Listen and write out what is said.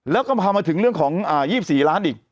แล้วก็พามาถึงเรื่องของ๒๔ล้านอีก